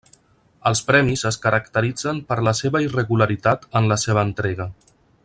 Els premis es caracteritzen per la seva irregularitat en la seva entrega.